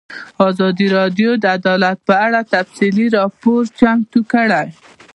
ازادي راډیو د عدالت په اړه تفصیلي راپور چمتو کړی.